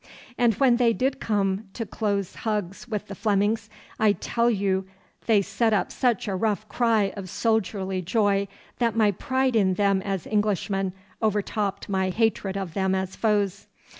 And when they did come to close hugs with the Flemings, I tell you they set up such a rough cry of soldierly joy that my pride in them as Englishmen overtopped my hatred of them as foes.